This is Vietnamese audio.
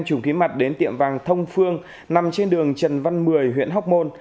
chủng khí mặt đến tiệm vàng thông phương nằm trên đường trần văn mười huyện hóc môn